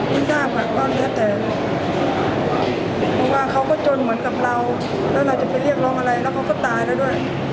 คุณสาบก็เดี๋ยวว่าเขาก็ไม่ใช่คุณเดียวกับเราแล้วเราจะไปเรียกครองอะไรแล้วเขาก็ตายแล้วด้วย